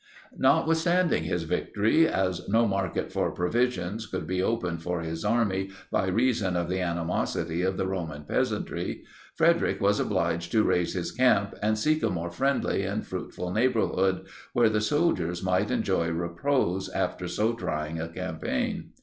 Notwithstanding his victory, as no market for provisions could be opened for his army, by reason of the animosity of the Roman peasantry, Frederic was obliged to raise his camp, and seek a more friendly and fruitful neighbourhood, where the soldiers might enjoy repose after so trying a campaign.